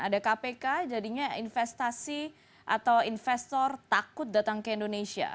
ada kpk jadinya investasi atau investor takut datang ke indonesia